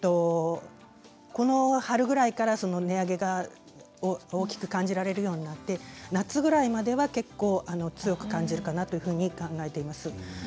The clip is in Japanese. この春ぐらいから値上げを大きく感じられるようになって夏ぐらいまでは結構強く感じるかなというふうに考えています。